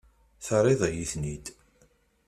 Terriḍ-iyi-ten-id.